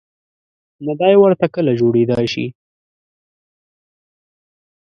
نه دای ورته کله جوړېدای شي.